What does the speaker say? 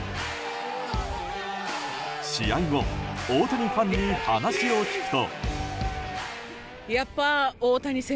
試合後大谷ファンに話を聞くと。